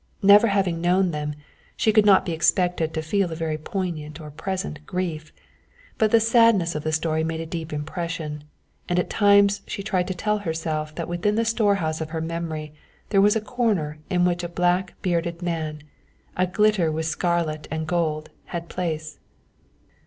Never having known them, she could not be expected to feel a very poignant or present grief, but the sadness of the story made a deep impression, and at times she tried to tell herself that within the storehouse of her memory there was a corner in which a black bearded man, a glitter with scarlet and gold, had place.